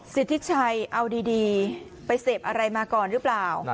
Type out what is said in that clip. สิทธิชัยเอาดีไปเสพอะไรมาก่อนหรือเปล่า